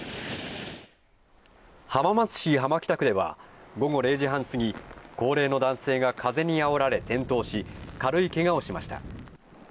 浜松市浜北区では午後０時半過ぎ高齢の男性が風にあおられ転倒し、軽いけがをしました。